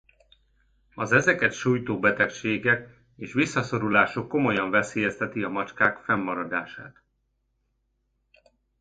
Az ezeket sújtó betegségek és visszaszorulásuk komolyan veszélyezteti a macskák fennmaradását.